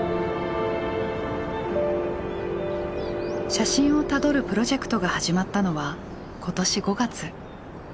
写真をたどるプロジェクトが始まったのは今年５月。